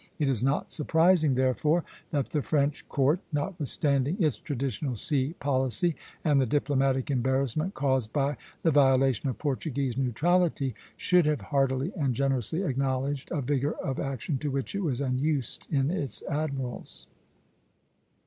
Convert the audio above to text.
It is not surprising, therefore, that the French Court, notwithstanding its traditional sea policy and the diplomatic embarrassment caused by the violation of Portuguese neutrality, should have heartily and generously acknowledged a vigor of action to which it was unused in its admirals.